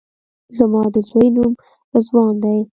زما د زوی نوم رضوان دی